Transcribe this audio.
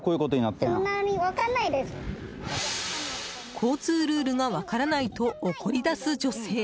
交通ルールが分からないと怒り出す女性。